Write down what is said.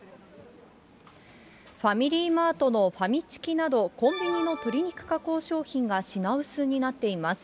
ファミリーマートのファミチキなど、コンビニの鶏肉加工商品が品薄になっています。